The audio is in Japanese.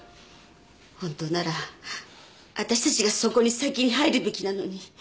ホントならわたしたちがそこに先に入るべきなのに。